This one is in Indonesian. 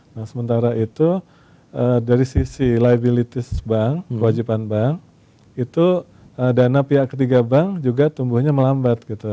nah sementara itu dari sisi liabilities bank kewajiban bank itu dana pihak ketiga bank juga tumbuhnya melambat gitu